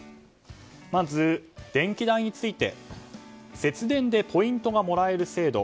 まず、電気代について節電でポイントがもらえる制度。